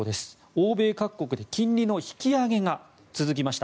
欧米各国で金利の引き上げが続きました。